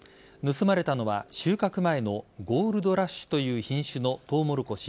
盗まれたのは収穫前のゴールドラッシュという品種のトウモロコシ